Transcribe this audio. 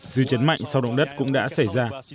dư chấn mạnh sau động đất cũng đã xảy ra